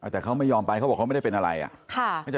แต่เขาไม่ยอมไปเขาบอกเขาไม่ได้เป็นอะไร